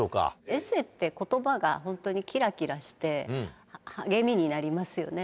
エッセーってことばが本当にきらきらして励みになりますよね。